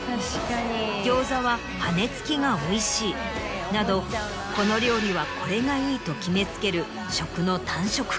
「餃子は羽根つきがおいしい」など「この料理はこれがいい」と決め付ける食の単色化。